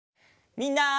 みんな！